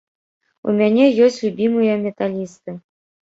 У мяне ёсць любімыя металісты.